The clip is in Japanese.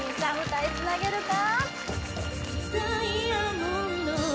歌いつなげるか？